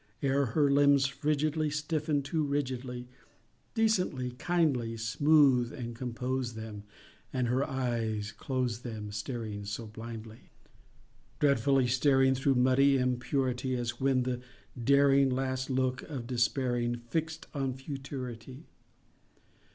Ere her limbs frigidly Stiffen too rigidly, Decently,—kindly,— Smooth and compose them; And her eyes, close them, Staring so blindly! Dreadfully staring Through muddy impurity, As when with the daring Last look of despairing Fixed on futurity.